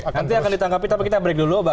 nanti akan ditanggapi tapi kita break dulu bang